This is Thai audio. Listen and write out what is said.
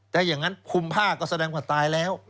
ถ้าอย่างนั้นคุมผ้าก็แสดงว่าตายแล้ว